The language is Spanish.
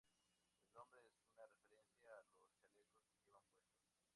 El nombre es una referencia a los chalecos que llevan puestos